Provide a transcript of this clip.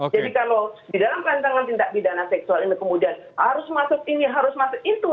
jadi kalau di dalam rancangan tindak pidana seksual ini kemudian harus masuk ini harus masuk itu